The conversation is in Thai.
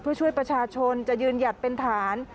เพื่อช่วยประชาชนจะยืนหยัดเป็นฐาน